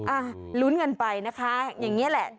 อ่ะลุ้นกันไปนะคะอย่างนี้แหละ